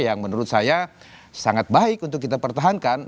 yang menurut saya sangat baik untuk kita pertahankan